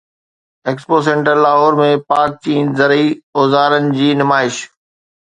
expo centre Lahore ۾ Pak چين زرعي اوزارن جي نمائش